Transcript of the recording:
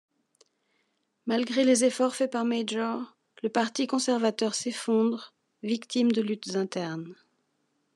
Malgré les efforts faits par Major, le parti conservateur s’effondre, victime de luttes internes.